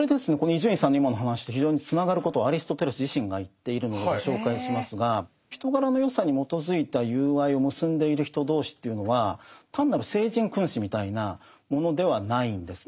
伊集院さんの今の話と非常につながることをアリストテレス自身が言っているのでご紹介しますが人柄の善さに基づいた友愛を結んでいる人同士というのは単なる聖人君子みたいなものではないんです。